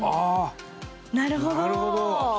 なるほど！